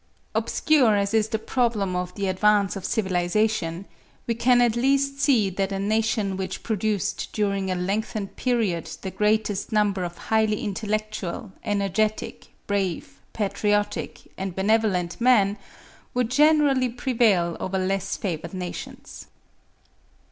Obscure as is the problem of the advance of civilisation, we can at least see that a nation which produced during a lengthened period the greatest number of highly intellectual, energetic, brave, patriotic, and benevolent men, would generally prevail over less favoured nations.